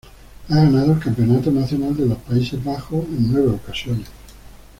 Ha ganado el campeonato nacional de los Países Bajos en nueve ocasiones.